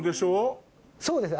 そうです